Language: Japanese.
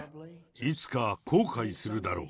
いつか後悔するだろう。